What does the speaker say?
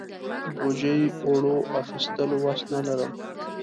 بوجۍ اوړو اخستلو وس نه لرم.